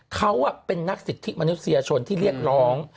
เขาเป็นนักสิทธิมนุษยชนที่เรียกร้อง